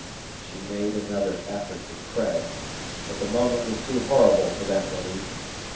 She made another effort to pray; but the moment was too horrible for that relief.